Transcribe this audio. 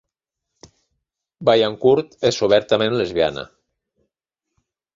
Vaillancourt és obertament lesbiana.